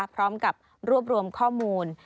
พร้อมกับรวบรวมข้อมูล